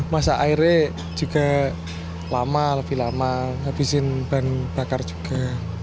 masa airnya juga lama lebih lama habisin bahan bakar juga